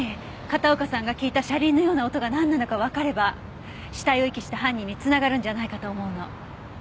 片岡さんが聞いた車輪のような音がなんなのかわかれば死体を遺棄した犯人に繋がるんじゃないかと思うの。